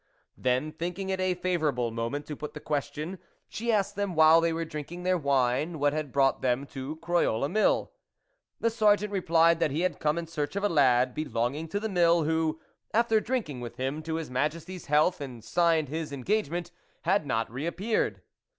Then, thinking it a favourable moment to put the question, she asked them while they were drinking their wine, what had brought them to Croyolles Mill. The Sergeant replied that he had come in search of a lad, belonging to the Mill, who, after drinking with him to his Majesty's health and signed his engage ment, had not re appeared.